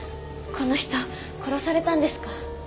この人殺されたんですか？